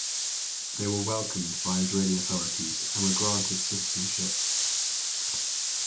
They were welcomed by Israeli authorities, and were granted citizenship.